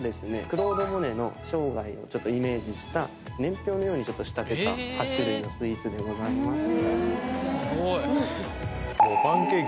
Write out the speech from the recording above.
クロード・モネの生涯をイメージした年表のように仕立てた８種類のスイーツでございます